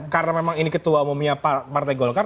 karena memang ini ketua umumnya partai golkar